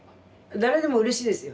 誰でもうれしいですよ。